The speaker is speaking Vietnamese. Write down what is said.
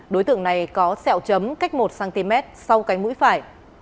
đối tượng này có sẹo chấm cách một cm sau cánh mũi phải